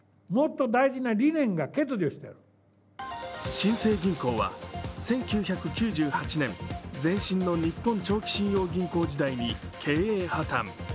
新生銀行は１９９８年、前身の日本長期信用銀行時代に経営破綻。